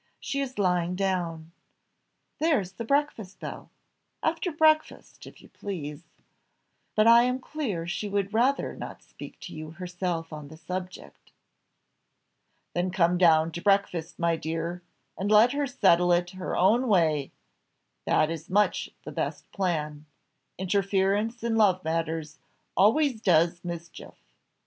She is lying down. There is the breakfast bell after breakfast, if you please. But I am clear she would rather not speak to you herself on the subject." "Then come down to breakfast, my dear, and let her settle it her own way that is much the best plan. Interference in love matters always does mischief.